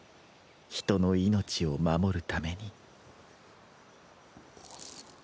人の命を守るために。